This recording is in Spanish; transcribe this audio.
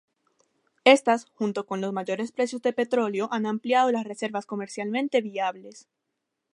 Estas junto con los mayores precios del petróleo han ampliado las reservas comercialmente viables.